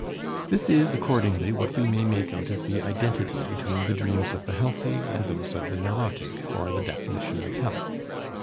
This is accordingly what we may make out of the identity between the dreams of the healthy and those of the neurotic for the definition of health.